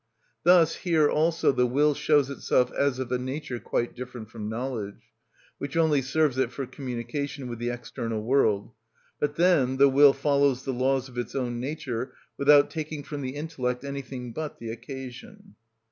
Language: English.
Thus here also the will shows itself as of a nature quite different from knowledge, which only serves it for communication with the external world, but then the will follows the laws of its own nature without taking from the intellect anything but the occasion.